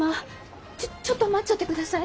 ちょちょっと待ちょってください。